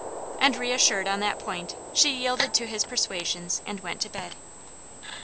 And, reassured on that point, she yielded to his persuasions and went to bed.